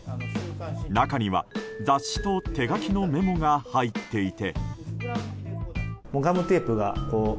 中には、雑誌と手書きのメモが入っていて。